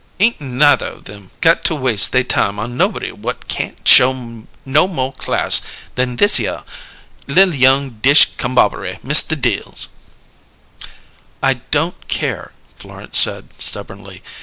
Ain't neither one of 'em got to waste they time on nobody whut can't show no mo' class than thishere li'l young dish cumbobbery Mista Dills!" "I don't care," Florence said stubbornly.